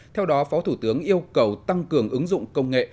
theo đó phó thủ tướng yêu cầu tăng cường ứng dụng công nghệ